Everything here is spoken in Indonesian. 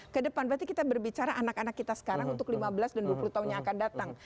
kedepan berarti kita berbicara anak anak kita sekarang untuk lima belas dan dua puluh tahun yang akan datang